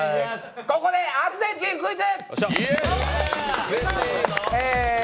ここでアルゼンチンクイズ。